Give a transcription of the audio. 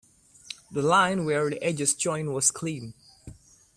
The line where the edges join was clean.